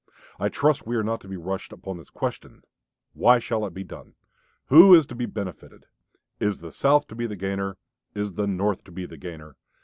I trust we are not to be rushed upon this question. Why shall it be done? Who is to be benefited? Is the South to be the gainer? Is the North to be the gainer?